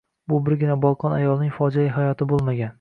Bu birgina bolqon ayolining fojiali hayoti bo`lmagan